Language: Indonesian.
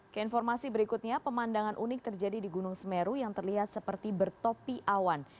keinformasi berikutnya pemandangan unik terjadi di gunung semeru yang terlihat seperti bertopi awan